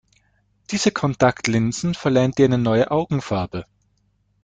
Diese Kontaktlinsen verleihen dir eine neue Augenfarbe.